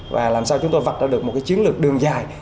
và làm sao chúng tôi vạch ra được một cái chiến lược đường dài